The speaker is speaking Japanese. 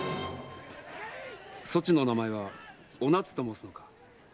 そちの名前は“お奈津”と申すのか？